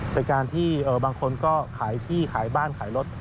เป็นการที่บางคนก็ขายที่ขายบ้านขายรถ